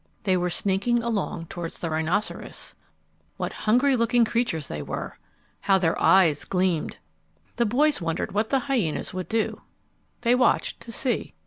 They were sneaking along toward the rhinoceros. What hungry looking creatures they were! How their eyes gleamed! The boys wondered what the hyenas would do. They watched to see.